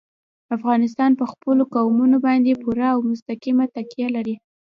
افغانستان په خپلو قومونه باندې پوره او مستقیمه تکیه لري.